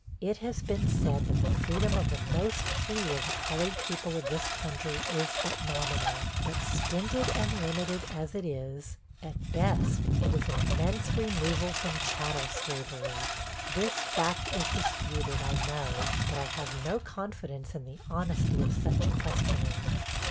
It has been said that the freedom of the most free of the colored people of this country is but nominal; but stinted and limited as it is, at best, it is an immense remove from chattel slavery. This fact is disputed, I know; but I have no confidence in the honesty of such questionings.